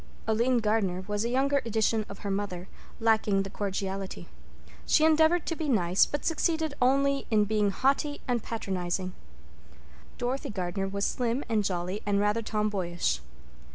Aline Gardner was a younger edition of her mother, lacking the cordiality. She endeavored to be nice, but succeeded only in being haughty and patronizing. Dorothy Gardner was slim and jolly and rather tomboyish.